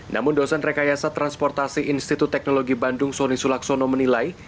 namun dosen rekayasa transportasi institut teknologi bandung soni sulaksono menilai